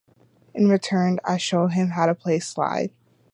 In return, I showed him how to play slide.